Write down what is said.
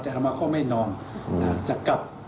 แต่อารมณ์ก็ไม่นอนอืมอ่าจะกลับ